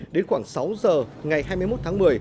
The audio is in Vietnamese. đến khoảng sáu giờ ngày hai mươi một tháng một mươi